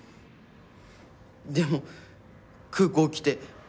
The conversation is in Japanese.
でも空港来て